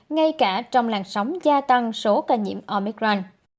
ngay cả trong làn sóng gia tăng số ca nhiễm amicran